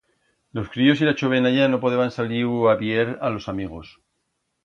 Los críos y la chovenalla no podeban salir u a vier a los amigos.